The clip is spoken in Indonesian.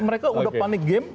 mereka udah panik game